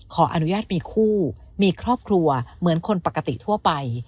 ขออนุญาตมีคู่มีครอบครัวเหมือนคนปกติทั่วไป